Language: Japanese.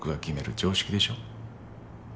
常識でしょう？